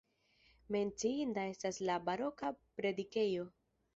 Menciinda estas la baroka predikejo.